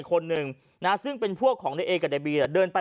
อีกคนหนึ่งน่ะซึ่งเป็นพวกของในเอกับแต่บีอะเดินไป